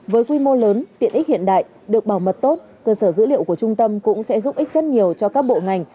với quy mô lớn tiện ích hiện đại được bảo mật tốt cơ sở dữ liệu của trung tâm cũng sẽ giúp ích rất nhiều cho các bộ ngành